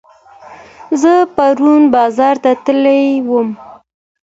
زه پرون بازار ته تللي وم